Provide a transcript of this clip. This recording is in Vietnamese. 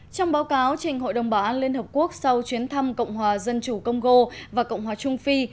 trong báo cáo trình hội đồng bảo an liên hợp quốc sau chuyến thăm cộng hòa dân chủ congo và cộng hòa trung phi